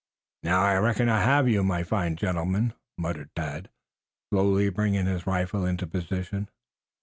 "Now I reckon I have you, my fine gentleman," muttered Tad, slowly bringing his rifle into position.